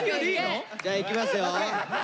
じゃあいきますよ。